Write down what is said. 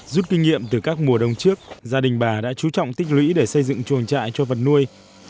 rút kinh nghiệm từ các mùa đông trước gia đình bà đã chú trọng tích lũy để xây dựng chuồng trại cho vật nuôi